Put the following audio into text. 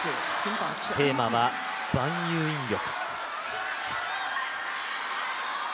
テーマは万有引力。